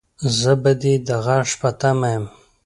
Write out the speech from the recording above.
زه به دې د غږ په تمه يم